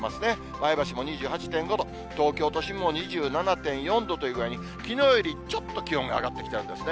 前橋も２８．５度、東京都心も２７．４度という具合に、きのうよりちょっと気温が上がってきたようですね。